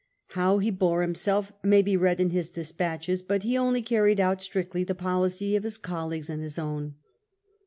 How he bore himself may be read in his despatches ; but he only carried out strictly the policy of his colleagues and his own.